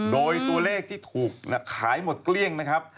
โดยตัวเลขที่ถูกขายหมดเกลี้ยงนะครับ